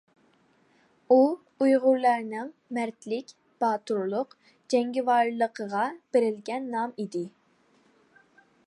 ئۇ ئۇيغۇرلارنىڭ مەردلىك، باتۇرلۇق، جەڭگىۋارلىقىغا بېرىلگەن نام ئىدى.